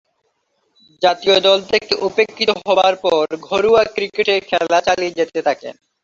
জাতীয় দল থেকে উপেক্ষিত হবার পর ঘরোয়া ক্রিকেটে খেলা চালিয়ে যেতে থাকেন।